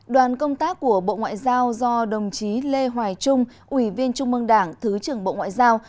đoàn công tác của bộ ngoại giao do đồng chí lê hoài trung ủy viên trung mương đảng thứ trưởng bộ ngoại giao